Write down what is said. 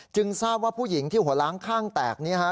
ทราบว่าผู้หญิงที่หัวล้างข้างแตกนี้ฮะ